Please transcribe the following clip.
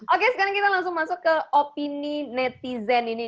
oke sekarang kita langsung masuk ke opini netizen ini